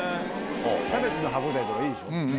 キャベツの歯応えいいでしょ？